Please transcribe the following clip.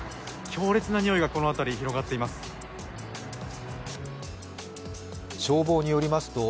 強烈なにおいがこの辺り、広がっています。